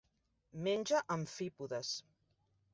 Menja amfípodes.